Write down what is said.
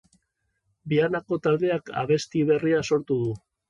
Vianako taldeak abesti berria sortu du.